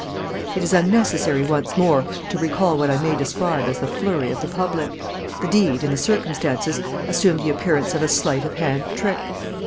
It is unnecessary once more to recall what I may describe as the flurry of the public. The deed, in the circumstances, assumed the appearance of a sleight of hand trick.